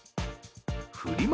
フリマ